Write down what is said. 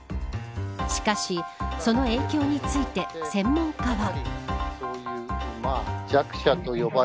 しかしその影響について専門家は。